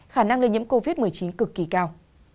khả năng lây nhiễm covid một mươi chín cực kỳ cao